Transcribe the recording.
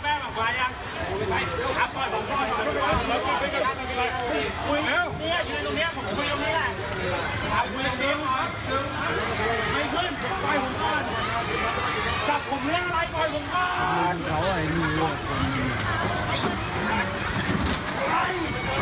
เอาลูกผมมาก่อน